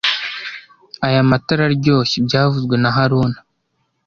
Aya mata araryoshye byavuzwe na haruna